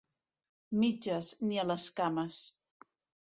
Mitges, ni a les cames.